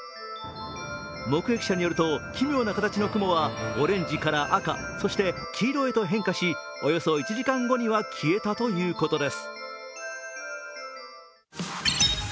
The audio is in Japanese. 目撃者によると奇妙な雲の形はオレンジから赤、そして黄色へと変化しおよそ１時間後には消えたということです。